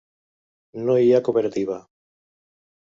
No hi ha cooperativa.